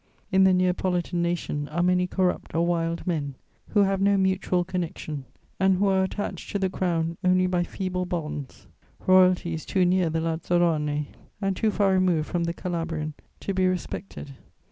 In the Neapolitan nation are many corrupt or wild men who have no mutual connection, and who are attached to the Crown only by feeble bonds: royalty is too near the lazzarone and too far removed from the Calabrian to be respected.